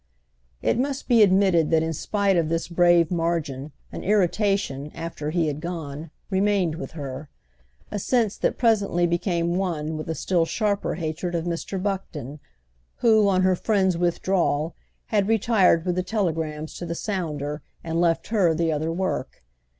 It must be admitted that in spite of this brave margin an irritation, after he had gone, remained with her; a sense that presently became one with a still sharper hatred of Mr. Buckton, who, on her friend's withdrawal, had retired with the telegrams to the sounder and left her the other work.